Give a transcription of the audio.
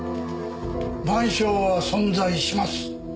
『晩鐘』は存在します。